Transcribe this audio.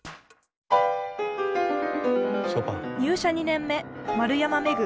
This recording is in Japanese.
入社２年目丸山めぐ。